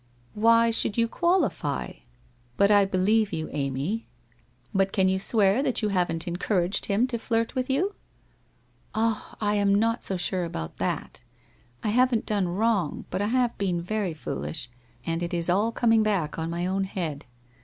"Why should yon qualify? But I believe you, Amy. But can you swear that you haven't encouraged him to flirt with you? '■ Ah, I am not so sure about that. I haven't done wrong, but f have been very Foolish, and it is all coming back on my own head.